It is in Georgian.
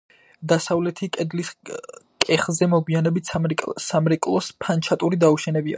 დასავლეთი კედლის კეხზე მოგვიანებით სამრეკლოს ფანჩატური დაუშენებიათ.